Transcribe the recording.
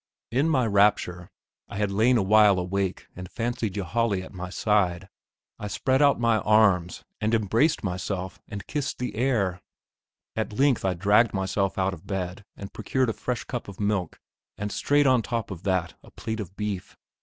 In my rapture (I had lain a while awake and fancied Ylajali at my side) I spread out my arms and embraced myself and kissed the air. At length I dragged myself out of bed and procured a fresh cup of milk, and straight on top of that a plate of beef.